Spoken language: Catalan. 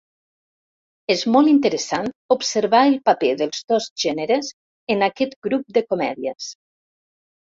És molt interessant observar el paper dels dos gèneres en aquest grup de comèdies.